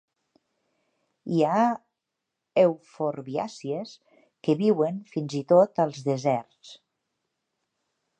Hi ha euforbiàcies que viuen fins i tot als deserts.